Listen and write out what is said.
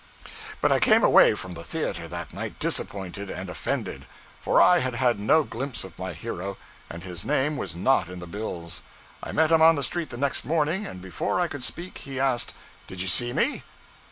But I came away from the theater that night disappointed and offended; for I had had no glimpse of my hero, and his name was not in the bills. I met him on the street the next morning, and before I could speak, he asked 'Did you see me?'